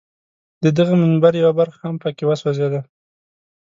د دغه منبر یوه برخه هم په کې وسوځېده.